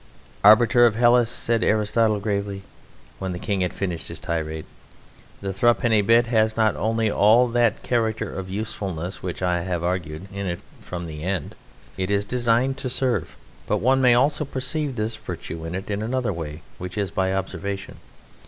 "Arbiter of Hellas," said Aristotle gravely, when the King had finished his tirade, "the thruppenny bit has not only all that character of usefulness which I have argued in it from the end it is designed to serve, but one may also perceive this virtue in it in another way, which is by observation.